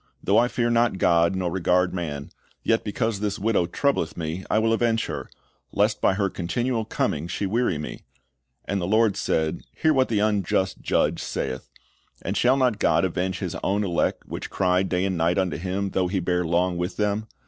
Though I fear not God, nor regard man; yet because this widow troubleth me, I will avenge her, lest by her continual coming she weary me. And the Lord said. Hear what the unjust judge saith. And shall not God avenge His own elect, which cry day and night unto Him, though He bear long with them